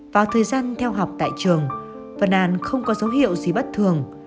vào thời gian theo học tại trường vân anh không có dấu hiệu gì bất thường